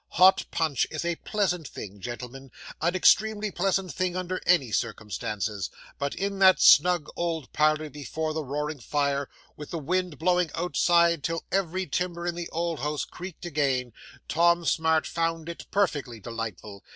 Hot punch is a pleasant thing, gentlemen an extremely pleasant thing under any circumstances but in that snug old parlour, before the roaring fire, with the wind blowing outside till every timber in the old house creaked again, Tom Smart found it perfectly delightful.